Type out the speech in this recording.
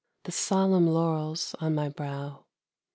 The solemn laurels on my brow.